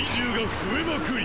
増えまくり！？